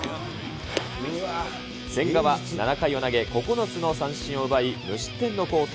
千賀は７回を投げ９つの三振を奪い、無失点の好投。